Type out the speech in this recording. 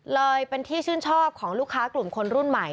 เลยเป็นที่ชื่นชอบของลูกค้ากลุ่มคนรุ่นใหม่